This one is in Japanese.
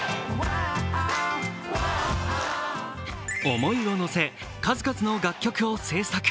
思いをのせ、数々の楽曲を制作。